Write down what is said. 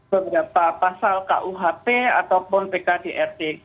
beberapa pasal kuhp ataupun pkdrt